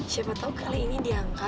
siapa tahu kali ini diangkat